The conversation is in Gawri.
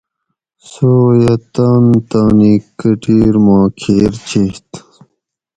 سویہ تان تانی کۤٹیر ما کھیر چیت